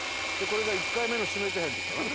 これが１回目の指名手配の時かな？